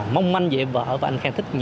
mong manh dễ vỡ và anh khang thích